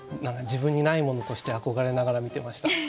自分にないものとして憧れながら見てました。